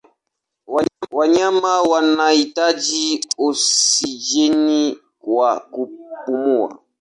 Wanyama wanahitaji oksijeni kwa kupumua.